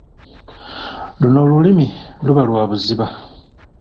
Luno olulimi luba lwa buziba.